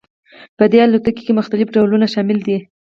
په دې الوتکو کې مختلف ډولونه شامل دي